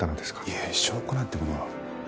いえ証拠なんてものは。